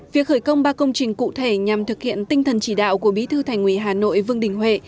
việc khởi công ba công trình cụ thể nhằm thực hiện tinh thần chỉ đạo của bí thư thành ủy hà nội vương đình huệ